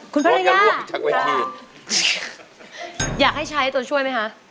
คุณภรรยาค่ะอยากให้ใช้ต้องช่วยไหมคะ